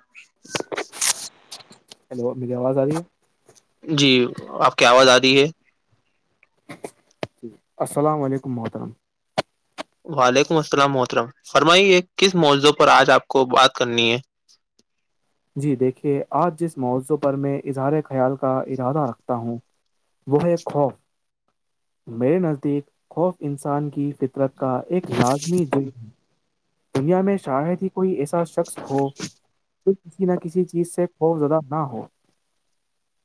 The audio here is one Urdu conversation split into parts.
چ ہیلو میری آواز آی ہے جی آپ کی آواز آ رہی ہے ج السلام علیکم محترم وعلیکم السلام محترم فرمائیے کس موضوع پر آج آپ کو بات کرنی ہے جی دیکھیے آج جس موضوع پر میں اظہار خیال کا ارادہ رکھتا ہوں وہ ہے خوف میرے نزدیک خوف انسان کی فطرت کا ایک لازمی جم دنیا میں شاید ہی کوئی ایسا شخص ہو کسی نہ کسی چیز سے خوف زدہ نہ ہو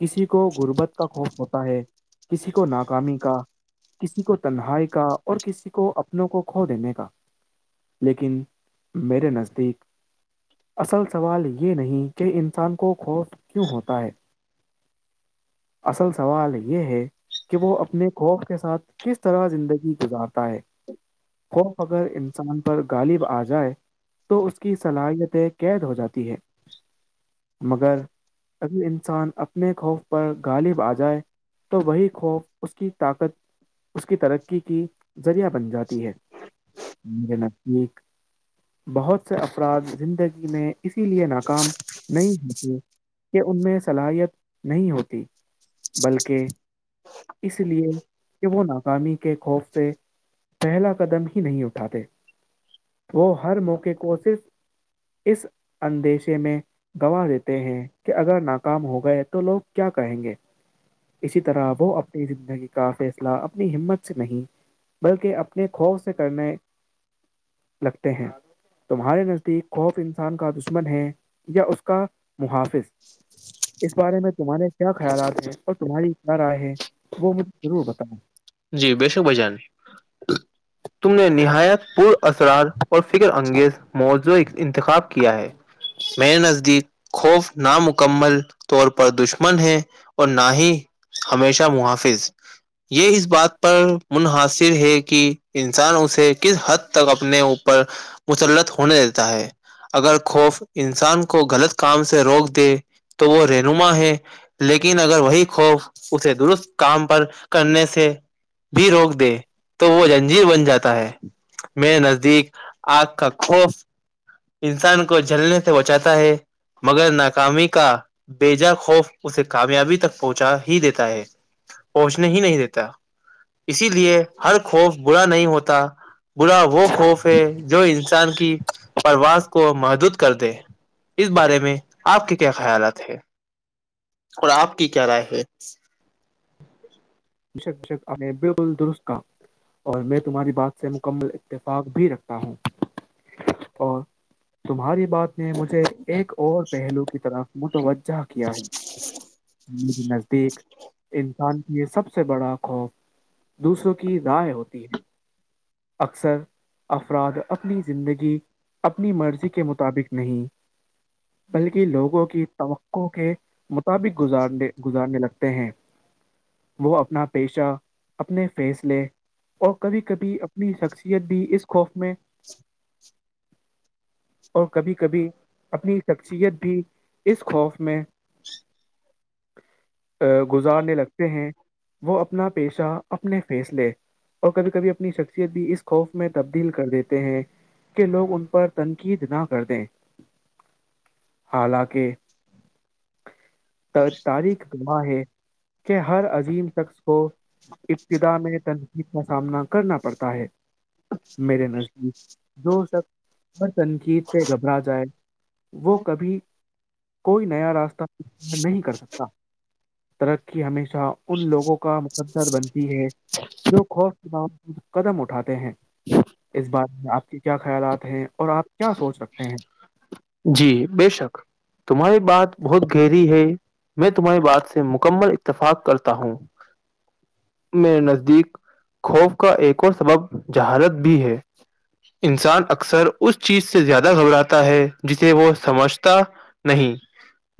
کسی کو غربت کا خوف ہوتا ہے کسی کو ناکامی کا کسی کو تنہائی کا اور کسی کو اپنوں کو کھو دینے کا لیکن میرے نزدیک اصل سوال یہ نہیں کہ انسان کو خوف کیوں ہوتا ہے اصل سوال یہ ہے کہ وہ اپنے خوف کے ساتھ کس طرح زندگی گزارتا ہے خو اگر انسان غالب آ جائے تو اس کی صلاحیتیں قید ہو جاتی ہیں مگر اگر انسان اپنے خوف پر غالب آ جائے تو وہی خوف اس کی طاقت اس کی ترقی کی ذریعہ بن جاتی ہے ایک بہت سے افراد زندگی میں اسی لیے ناکام نہیں ہوتے کہ ان میں صلاحیت نہیں ہوتی بلکہ اس لیے کہ وہ ناکامی کے خوف سے پہلا قدم ہی نہیں اٹھاتے وہ ہر موقع کو صرف اس اندیشے میں گواہ دیتے ہیں کہ اگر ناکام ہو گئے تو لوگ کیا کہیں گے اسی طرح وہ اپنی زندگی کا فیصلہ اپنی ہمت سے نہیں بلکہ اپنے خوف سے کرنا لگتے ہیں تمہارے نزدیک خوف انسان کا دشمن ہے یا اس کا محافظ اس بارے میں تمہارے کیا خیالات ہیں اور تمہاری کیا رائے ہے وہ مجھے ضرور بتاائؤ جی بے شک بھجان تم نے نہایت پور اثرات اور فکر انگیز موضوع انتخاب کیا ہے میرے نزدیک خوف نامکمل طور پر دشمن ہے اور نہ ہی ہمیشہ محافظ یہ اس بات پر منحصر ہے کہ انسان اسے کس حد تک اپنے اوپر مسلط ہونے دیتا ہے اگر خوف انسان کو غلط کام سے روک دے تو وہ رہنما ہے لیکن اگر وہی خوف اسے درست کام پر کرنے سے بھی روک دے تو وہ جنجیر بن جاتا ہے میرے نزدیک آگ کا خوف انسان کو جلنے سے وہچاتا ہے [unintelligible] مگر ناکامی کا بےجا خوف اسے کامیابی تک پہنچا ہی دیتا ہے پہنچنے ہی نہیں دیتا اسی لیے ہر خوف برا نہیں ہوتا برا وہ خوف ہے جو انسان کی پرواز کو محدود کر دے اس بارے میں آپ کے کیا خیالات ہے اور آپ کی کیا رائے ہے بشک بشک بالکل درست کا [inaudible] اور میں تمہاری بات سے مکمل اتفاق بھی رکھتا ہوں اور تمہاری بات نے مجھے ایک اور پہلو کی طرف متوجہ کیا ہے ج [inaudible] نزدیک انسان کے سب سے بڑا خوف دوسروں کی دائیں ہوتی ہے [unintelligible] اکثر افراد اپنی زندگی اپنی مرضی کے مطابق نہیں بلکہ لوگوں کی توقع کے مطابق گزارنے گزارنے لگتے ہیں وہ اپنا پیشہ اپنے فیصلے اور کبھی کبھی اپنی شخصیت بھی اس خوف میں [inaudible] اور کبھی کبھی اپنی شخصیت بھی اس خوف میں [inaudible] ا گزارنے لگتے ہیں وہ اپنا پیشہ اپنے فیصلے اور کبھی کبھی اپنی شک بھی اس خوف میں تبدیل کر دیتے ہیں کہ لوگ ان پر تنقید نہ کر دیں حالانکہ تاریخ دعاں ہے کہ ہر عظیم شخص کو [inaudible] ابتدا میں تنقید کا سامنا کرنا پڑتا ہے میرے نزدیک جو شخص بر تنقید سے گھبرا جائے وہ کبھی کوئی نیا راستہ نہیں کر سکتا ترقی ہمیشہ ان لوگوں کا مقدر بنتی ہے جو خوف قدم اٹھاتے ہیں اس بارے میں آپ کے کیا خیالات ہیں اور آپ کیا سوچ رکھتے ہیں جی بے شک تمہاری بات بہت گہری ہے میں تمہاری بات سے مکمل اتفاق کرتا ہوں میں نزدیک خوف کا ایک اور سبب جہالت بھی ہے انسان اکثر اس چیز سے زیادہ گھبراتا ہے جسے وہ سمجھتا نہیں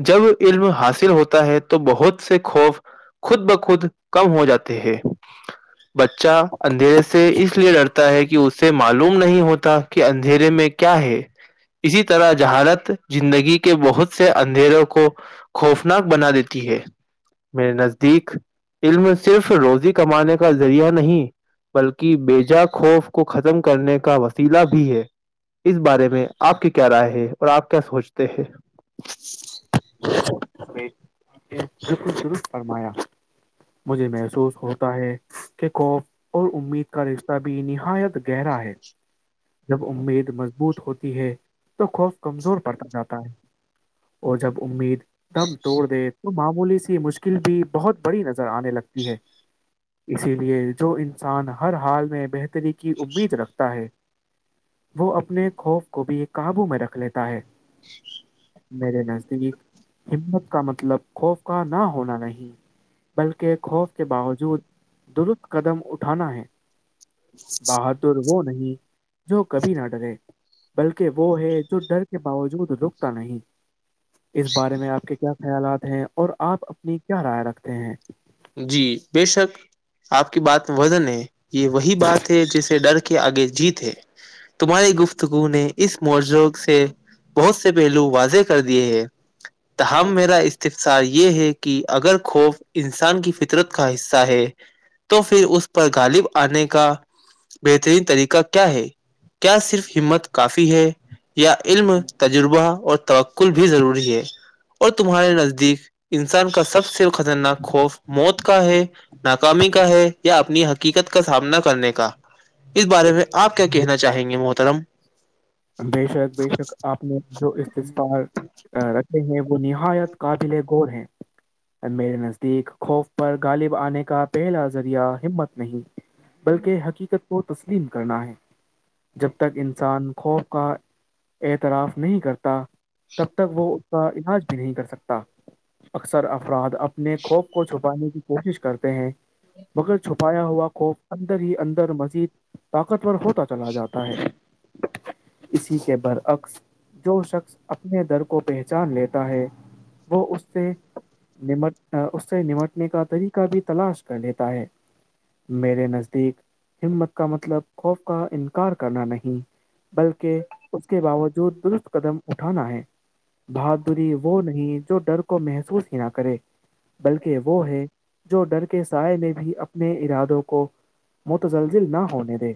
جب علم حاصل ہوتا ہے تو بہت سے خوف خود بخود کم ہو جاتے ہیں بچہ اندھیرے سے اس لیے ڈرتا ہے کہ اسے معلوم نہیں ہوتا کہ دھیرے میں کیا ہے اسی طرح جہارت زندگی کے بہت سے اندھیروں کو خوفناک بنا دیتی ہے میرے نزدیک علم صرف روزی کمانے کا ذریعہ نہیں بلکہ بیےجا خوف کو ختم کرنے کا وسیلہ بھی ہے اس بارے میں آپ کی کیا رائے ہے اور آپ کیا سوچتے ہیں رخ فرمایا مجھے محسوس ہوتا ہے کہ خوف اور امید کا رشتہ بھی نہایت گہرا ہے جب امید مضبوط ہوتی ہے تو خوف کمزور پڑتا جاتا ہے اور جب امید دم توڑ تو معمولی سی مشکل بھی بہت بڑی نظر آنے لگتی ہے اسی لیے جو انسان ہر حال میں بہتری کی امید رکھتا ہے وہ اپنے خوف کو بھی قابو میں رکھ لیتا ہے میرے نزدیک ہمت کا مطلب خوف کا نہ ہونا نہیں بلکہ خوف کے باوجود درست قدم اٹھانا ہے بہادر وہ نہیں جو کبھی نہ ڈرے بلکہ وہ ہے جو ڈر کے باوجود رکتا نہیں اس بارے میں آپ کے کیا خیالات ہیں اور آپ اپنی کیا رائے رکھتے ہیں جی بے شک آپ کی بات وزن ہے یہ وہی بات ہے جسے ڈر کے آگے جیت ہے تمہاریے گفتگو نے اس معجروق سے بہت سے پہلو واضح کر دیے ہیں ت ہم میرا استفصا یہ ہے کہ اگر خوف ان سان کی فطرت کا حصہ ہے تو پھر اس پر غالب آنے کا بہترین طریقہ کیا ہے کیا صرف ہمت کافی ہے یا علم تجربہ اور توقل بھی ضروری ہے اور تمہارے نزدیک انسان کا سب سے خطرناک خوف موت کا ہے ناکامی کا ہے یا اپنی حقیقت کا سامنا کرنے کا اس بارے میں آپ کیا کہنا چاہیں گے محترم بےشک آپ نے جو استال رکھے ہیں وہ نہایت قابل گوور ہیں میرے نزدیک خوف پر غالب آنے کا پہلا ذریعہ ہمت نہیں بلکہ حقیقت کو تسلیم کرنا ہے جب تک انسان خوف کا اعتراف نہیں کرتا تب تک وہ اس کا علاج بھی نہیں کر سکتا اکثر افراد اپ اپنے خوپ کو چھپانے کی کوشش کرتے ہیں مگر چھپایا ہوا خوف اندر ہی اندر مزید طاقتور ہوتا چلا جاتا ہے اسی کے برعکس جو شخص اپنے در کو پہچان لیتا ہے وہ اس سے نمٹ اس سے نمٹنے کا طریقہ بھی تلاش کر لیتا ہے میرے نزدیک ہمت کا مطلب خوف کا انکار کرنا نہیں بلکہ اس کے باوجود درست قدم اٹھانا ہے بہادری وہ نہیں جو ڈر کو محسوس ہی نہ کرے بلکہ وہ ہے جو ڈر کے سائے نے بھی اپنے ارادوں کو متزلزل نہ ہونے دے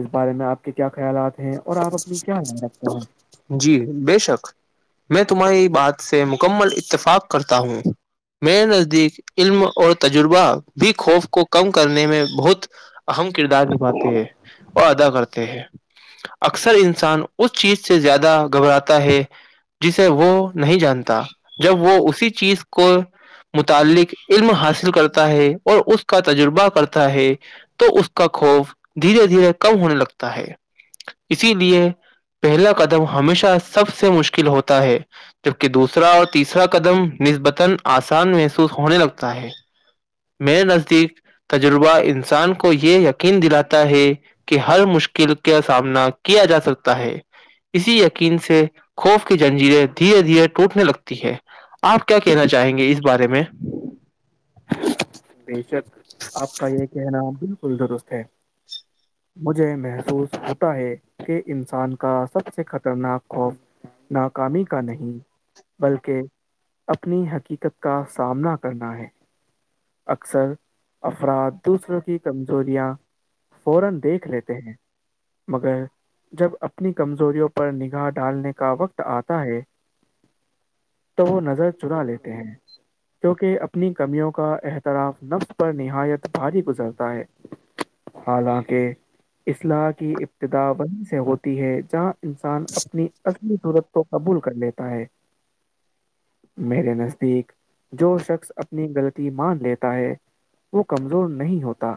اس بارے میں آپ کے کیا خیالات ہیں ہے اور آپ اپنی کیا نان رکھتے ہیں جی بے شک میں تمہاری بات سے مکمل اتفاق کرتا ہوں میرے نزدیک علم اور تجربہ بھی خوف کو کم کرنے میں بہت اہم کردار نھاتے ہیں اور ادا کرتے ہیں اکثر انسان اس چیز سے زیادہ گھبراتا ہے جسے وہ نہیں جانتا جب وہ اسی چیز کو متعلق علم حاصل کرتا ہے اور اس کا تجربہ کرتا ہے تو اس کا خوف دھیرے دھیرے کم ہونے لگتا ہے اسی لیے پہلا قدم ہمیشہ سب سے مشکل ہوتا ہے جبکہ دوسرا اور تیسرا قدم نسبتا اسان محسوس ہونے لگتا ہے میرے نزدیک تجربہ انسان کو یہ یقین دلاتا ہے کہ ہر مشکل کا سامنا کیا جا سکتا ہے اسی یقین سے خوف کی جنجیریں دھیرے دھیرے ٹوٹنے لگتی ہے آپ کیا کہنا چاہیں گے اس بارے میں بےشک آپ کا یہ کہنا بالکل درست ہے مجھے محسوس ہوتا ہے کہ انسان کا سب سے خطرناک خوف ناکامی کا نہیں بلکہ اپنی حقیقت کا سامنا کرنا ہے اکثر افراد دوسروں کی کمزوریاں فورا دیکھ لیتے ہیں مگر جب اپنی کمزوریوں پر نگاہ ڈالنے کا وقت آتا ہے تو وہ نظر چنا لیتے ہیں کیونکہ اپنی کمیوں کو کا احتراف نفس پر نہایت بھاری گزرتا ہے حالانکہ اصلاح کی ابتدا وہیں سے ہوتی ہے جہاں انسان اپنی اصلی صورت کو قبول کر لیتا ہے میرے نزدیک جو شخص اپنی غلط مان لیتا ہے وہ کمزور نہیں ہوتا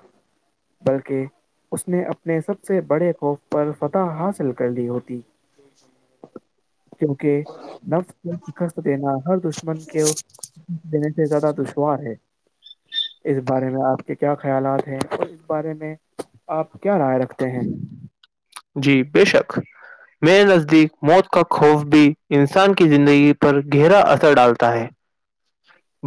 بلکہ اس نے اپنے سب سے بڑے خوف پر فتح حاصل کر لی ہوتی [inaudible] کیونکہ نفکھست دینا ہر دشمن کے جنے ٹھیکا تھا تج ہے اس بارے میں آپ کے کیا خیالات ہیں اس بارے میں آپ کیا رائے رکھتے ہیں جی بے شک میرے نزدیک موت کا خوف بھی انسان کی زندگی پر گہرا اثر ڈالتا ہے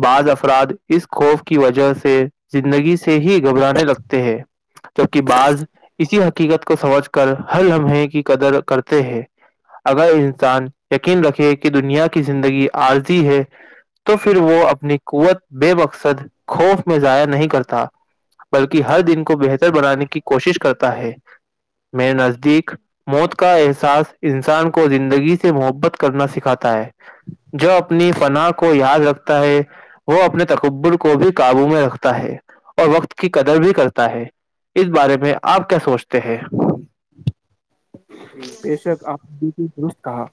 بعض افراد اس خوف کی وجہ سے زندگی سے سے ہی گھبرانے لگتے ہیں جبکہ بعض اسی حقیقت کو سمجھ کر کر ہل لمحے کی قدر کرتے ہیں اگر انسان یقین رکھے کہ دنیا کی زندگی عارضی ہے تو پھر وہ اپنی قوت بے مقصد خوف میں ضائع نہیں کرتا بلکہ ہر دن کو بہتر بنانے کی کوشش کرتا ہے میںیر نزدیک موت کا احساس انسان کو زندگی سے محبت کرنا سکھاتا ہے جو اپنی فنا کو یاد رکھتا ہے وہ اپنے تقبر کو بھی قابو میں رکھتا ہے اور وقت کی قدر بھی کرتا ہے اس بارے میں آپ کیا سوچتے ہیں بےشک آپ نے درست کہا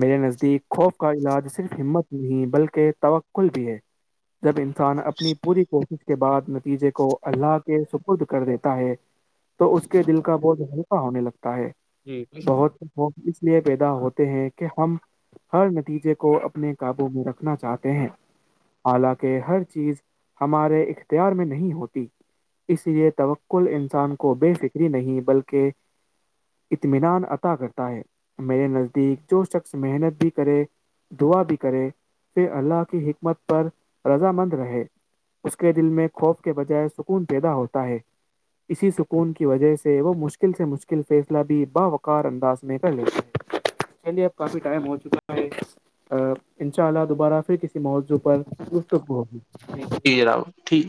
میرے نزدیک خوف کا علاج صرف ہمت نہیں بلکہ توکل بھی ہے جب انسان اپنی پوری کوشش کے بعد نتیجے کو اللہ کے سپرد کر دیتا ہے تو اس کے دل کا بہت ہلکا ہونے لگتا ہے بہت خو اس لیے پیدا ہوتے ہیں کہ ہم ہر نتیجے کو اپنے قابو میں رکھنا چاہتے ہیں حالانکہ ہر چیز ہمارے اختیار میں نہیں ہوتی اس لیے توکل انسان کو بے فکری نہیں بلکہ اطمینان عطا کرتا ہے میرے نزدیک جو شخص محنت بھی کرے دعا بھی کرے پھر اللہ کی حکمت پر رض مند رہے اس کے دل میں خوف کے بجائے سکون پیدا ہوتا ہے اسی سکون کی وجہ سے وہ مشکل سے مشکل فیس بی باوکار انداز میں چلیے اب کافی ٹائم ہو چکا ہے ان شاء اللہ دوبارہ پھر موضع پر گفتگ ہو ہوگی جی جنااؤ ٹھیک